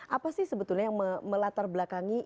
apa sih sebetulnya yang melatar belakangi